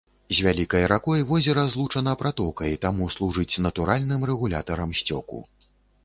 З вялікай ракой возера злучана пратокай, таму служыць натуральным рэгулятарам сцёку.